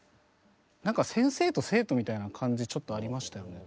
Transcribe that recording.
なんか先生と生徒みたいな感じちょっとありましたよね。